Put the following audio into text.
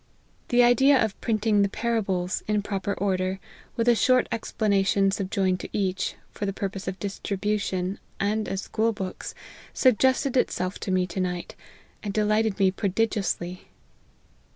The idea of printing the Parables, in proper order, with a short explanation subjoined to each, for the purpose of distribution, and as school books, sug gested itself to me to night, and delighted me pro digiously."